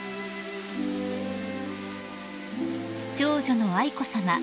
［長女の愛子さま